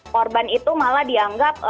korban itu malah dianggap